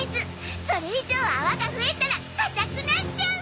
それ以上泡が増えたら硬くなっちゃう！